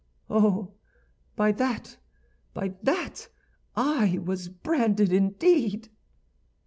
—oh, by that, by that I was branded indeed!"